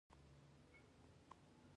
هغه پرمختګونه پر شا وتمبول شول.